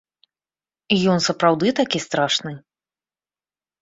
Ён сапраўды такі страшны?